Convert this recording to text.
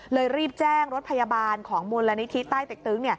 รีบแจ้งรถพยาบาลของมูลนิธิใต้เต็กตึง